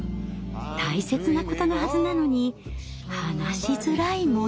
大切なことのはずなのに話しづらいもの。